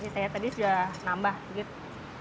tadi sudah nambah sedikit